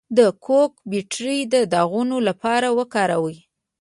د کوکو بټر د داغونو لپاره وکاروئ